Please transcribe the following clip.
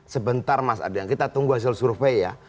sebentar mas ardian kita tunggu hasil survei ya